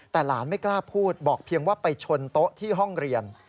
แต่หลานไม่กล้าพูดบอกเพียงว่าไปชนโต๊ะที่ห้องเรียน